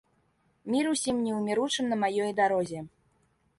Мір усім неўміручым на маёй дарозе!